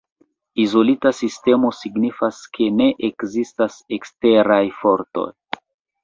Izolita sistemo, signifas, ke ne ekzistas eksteraj fortoj.